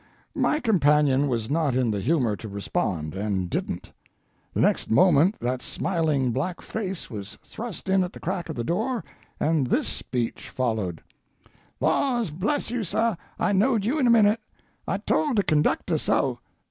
My companion was not in the humor to respond, and didn't. The next moment that smiling black face was thrust in at the crack of the door, and this speech followed: "Laws bless you, sah, I knowed you in a minute. I told de conductah so.